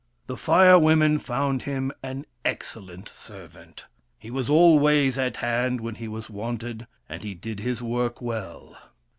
The Fire Women found him an excellent servant. He was always at hand when he was wanted, and he did his work well.